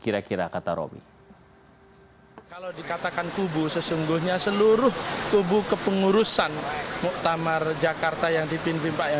dan sama sama berkeinginan untuk berpapisipasi